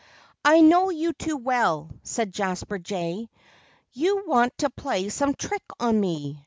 "I know you too well," said Jasper Jay. "You want to play some trick on me.